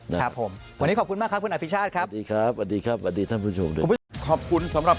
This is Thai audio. วันนี้ขอบคุณมากคุณอภิชาธิครับ